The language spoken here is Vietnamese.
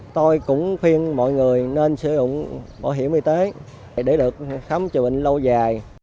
tôi cũng khuyên mọi người nên sử dụng bảo hiểm y tế để được khám chữa bệnh lâu dài